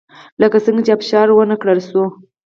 لکه څنګه چې ابشار ونه کړای شوه